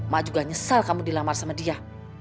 mak juga nyesel kamu dilamar sama dia